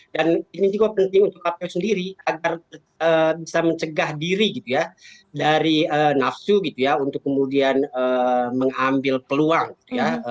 dan ini juga penting untuk kpu sendiri agar bisa mencegah diri gitu ya dari nafsu gitu ya untuk kemudian mengambil peluang gitu ya